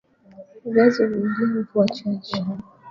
viazi huvumilia mvua chache